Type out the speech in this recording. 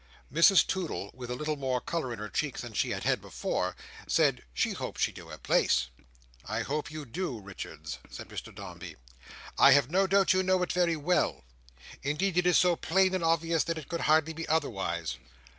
Mrs Toodle, with a little more colour in her cheeks than she had had before, said "she hoped she knew her place." "I hope you do, Richards," said Mr Dombey. "I have no doubt you know it very well. Indeed it is so plain and obvious that it could hardly be otherwise.